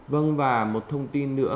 vâng và một thông tin nữa